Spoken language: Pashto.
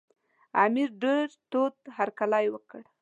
امیر ډېر تود هرکلی وکړ.